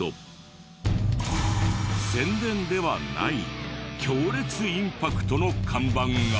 宣伝ではない強烈インパクトの看板が。